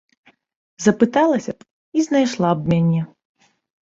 Запыталася б і знайшла б мяне.